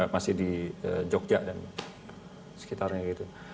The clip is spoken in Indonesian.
masih di jogja dan sekitarnya gitu